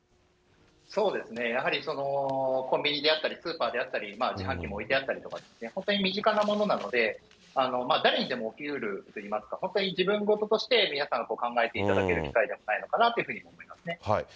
そうですね、やはりコンビニであったり、スーパーであったり自販機も置いてあったりとか、本当に身近なものなので、誰にでも起きうるといいますか、本当に自分事として皆さん考えていただける機会なんじゃないかなというふうに思いますね。